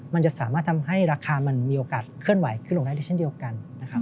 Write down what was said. มันจะสามารถทำให้ราคามันมีโอกาสเคลื่อนไหวขึ้นลงได้ด้วยเช่นเดียวกันนะครับ